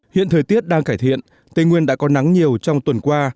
hiện thời tiết đang cải thiện tây nguyên đã có nắng nhiều trong tuần qua